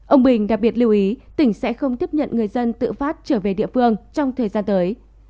ông bình đặc biệt lưu ý tỉnh sẽ không tiếp nhận người dân tự phát trở về địa phương trong thời gian tới